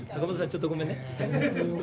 ちょっとごめんね。